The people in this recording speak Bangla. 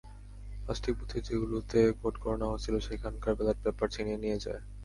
পাঁচটি বুথের যেগুলোতে ভোট গণনা হচ্ছিল সেখানকার ব্যালট পেপার ছিনিয়ে নিয়ে যায়।